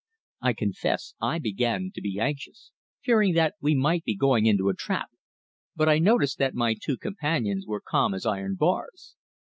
I confess I began to be anxious, fearing that we might be going into a trap, but I noticed that my two companions were calm as iron bars.